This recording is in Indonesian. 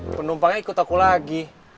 penumpangnya ikut aku lagi